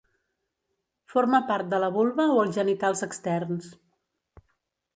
Forma part de la vulva o els genitals externs.